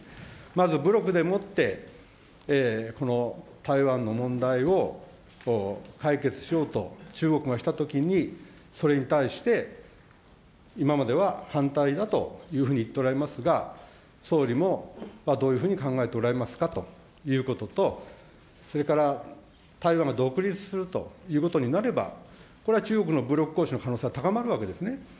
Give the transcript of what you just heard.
まず、武力でもって、この台湾の問題を解決しようと、中国がしたときに、それに対して、今までは反対だというふうに言っておられますが、総理もどういうふうに考えておられますかということと、それから、台湾が独立するということになれば、これは中国の武力行使の可能性は高まるわけですね。